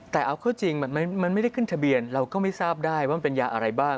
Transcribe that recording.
แต่เอาเข้าจริงมันไม่ได้ขึ้นทะเบียนเราก็ไม่ทราบได้ว่ามันเป็นยาอะไรบ้าง